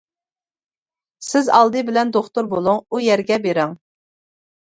سىز ئالدى بىلەن دوختۇر بولۇڭ، ئۇ يەرگە بېرىڭ.